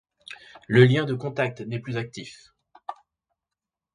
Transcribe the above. Le lien de contact n'est plus actif.